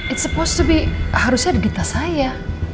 itu sepatutnya ada di kertas saya